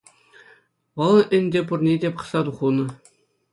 Вӑл ӗнтӗ пурне те пӑхса хунӑ.